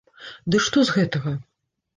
Ды што з гэтага?